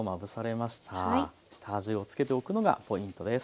下味を付けておくのがポイントです。